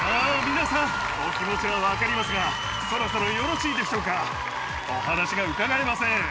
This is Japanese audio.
皆さんお気持ちは分かりますがそろそろよろしいでしょうかお話が伺えません。